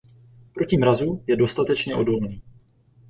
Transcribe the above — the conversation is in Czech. Proti mrazu je dostatečně odolný.